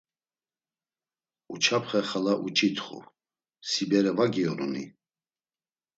Uçapxe xala uç̌itxu: “Si bere va gionuni?”